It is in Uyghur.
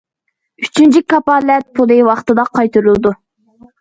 ئۈچىنچى، كاپالەت پۇلى ۋاقتىدا قايتۇرۇلىدۇ.